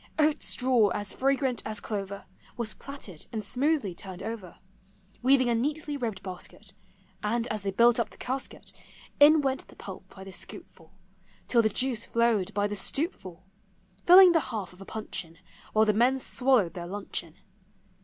Oat straw as fragrant as clover, Was platted, and smoothly turned over, Weaving a neatly ribbed basket ; And, as they built up the casket. In went the pulp by the scoop full, Till the juice flowed by the stoup full, — Filling the half of a puncheon While the men swallowed their luncheon.